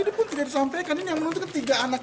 ini pun tidak disampaikan ini yang menuntutkan tiga anaknya